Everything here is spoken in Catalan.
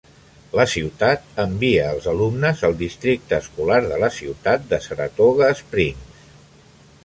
La ciutat envia els alumnes al districte escolar de la ciutat de Saratoga Springs.